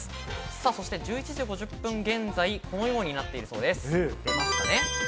そして１１時５０分現在、このようになっているそうです。